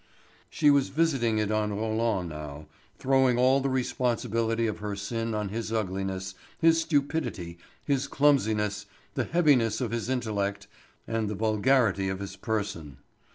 She was visiting it on Roland now, throwing all the responsibility of her sin on his ugliness, his stupidity, his clumsiness, the heaviness of his intellect, and the vulgarity of his person.